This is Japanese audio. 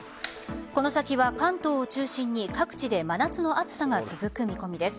この先は関東を中心に各地で真夏の暑さが続く見込みです。